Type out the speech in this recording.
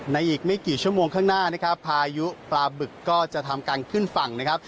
อีกไม่กี่ชั่วโมงข้างหน้านะครับพายุปลาบึกก็จะทำการขึ้นฝั่งนะครับ